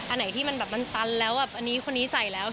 อันไหนที่มันตันแล้วอันนี้คนนี้ใส่แล้ว